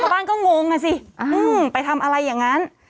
บ้านก็งงอ่ะสิไปทำอะไรอย่างนั้น